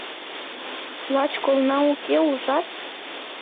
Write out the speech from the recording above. Лач колна уке, ужат?!